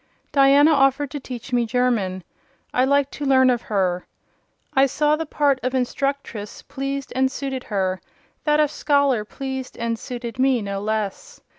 Diana offered to teach me German. I liked to learn of her: I saw the part of instructress pleased and suited her; that of scholar pleased and suited me no less.